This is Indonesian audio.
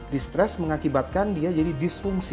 distress mengakibatkan dia jadi disfungsi